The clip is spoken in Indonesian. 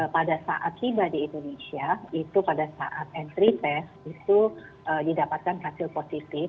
pada saat tiba di indonesia itu pada saat entry test itu didapatkan hasil positif